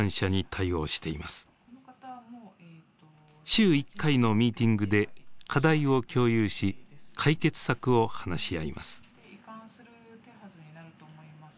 週１回のミーティングで課題を共有し解決策を話し合います。